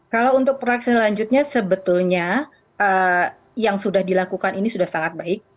kalau untuk proyek selanjutnya sebetulnya yang sudah dilakukan ini sudah sangat baik